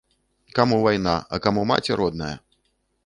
Каму вайна, а каму маці родная!